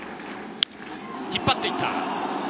引っ張っていった。